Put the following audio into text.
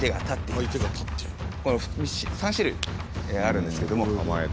この３種類あるんですけども。